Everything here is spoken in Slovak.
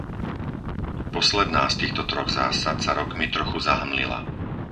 Posledná z týchto troch zásad sa rokmi trochu zahmlila.